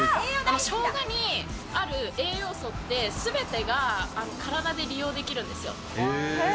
生姜にある栄養素って、すべてが体で利用できるんですよ。